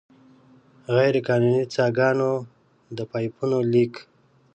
غیرقانوني څاګانو، د پایپونو لیک.